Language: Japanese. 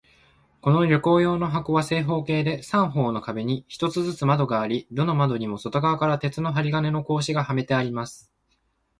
この旅行用の箱は、正方形で、三方の壁に一つずつ窓があり、どの窓にも外側から鉄の針金の格子がはめてあります。